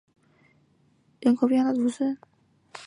维勒古安人口变化图示